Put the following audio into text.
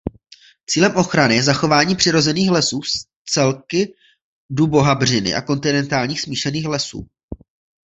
Cílech ochrany je zachování přirozených lesů s celky dubohabřiny a kontinentálních smíšených lesů.